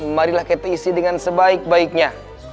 marilah kita isi dengan sebaik baiknya